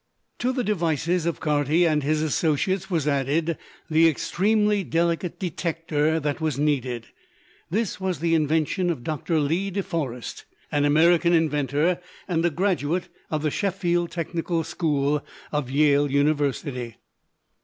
To the devices of Carty and his associates was added the extremely delicate detector that was needed. This was the invention of Dr. Lee de Forest, an American inventor and a graduate of the Sheffield Technical School of Yale University.